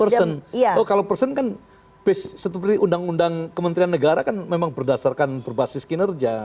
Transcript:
person oh kalau person kan setelah undang undang kementerian negara kan memang berdasarkan berbasis kinerja